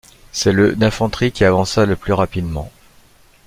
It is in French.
C’est le d’infanterie qui avança le plus rapidement.